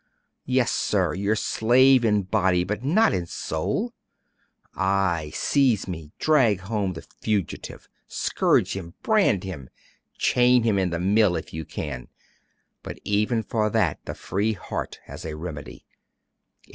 Yes, sir; your slave in body, but not in soul! Ay, seize me drag home the fugitive scourge him brand him chain him in the mill, if you can; but even for that the free heart has a remedy.